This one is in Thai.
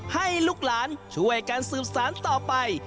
ให้ลูกหลานช่วยกันสืบสารต่อไป